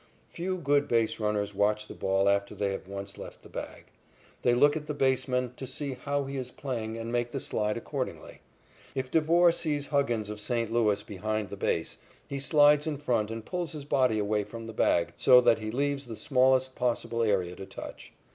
Few good base runners watch the ball after they have once left the bag. They look at the baseman to see how he is playing and make the slide accordingly. If Devore sees Huggins of St. Louis behind the base, he slides in front and pulls his body away from the bag, so that he leaves the smallest possible area to touch.